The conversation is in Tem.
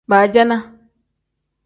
Baacana.